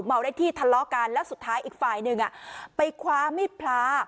ได้ที่ทะเลาะกันแล้วสุดท้ายอีกฝ่ายหนึ่งไปคว้ามิดพลา